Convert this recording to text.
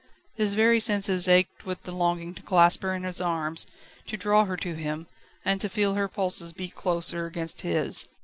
His very senses ached with the longing to clasp her in his arms, to draw her to him, and to feel her pulses beat closer against his.